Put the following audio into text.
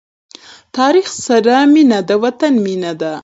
تاریخ سره مینه د وطن مینه ده.